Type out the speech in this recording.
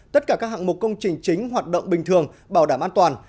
tất cả các hạng mục công trình chính hoạt động bình thường bảo đảm an toàn